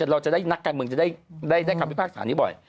เราจะได้นักการเมืองจะได้คำพิพากษานี้บ่อย